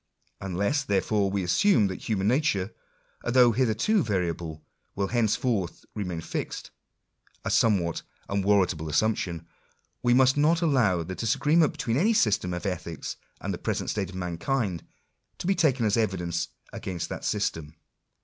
Unless, therefore, we assume that human nature, although hitherto variable, will henceforth re main fixed — a somewhat unwarrantable assumption — we must not allow the disagreement between any system of ethics and the present state of mankind, to be taken as evidence against that system.